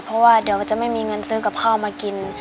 เพราะว่าเดี๋ยวมันจะไม่มีเงินซื้อกับข้าวมากิน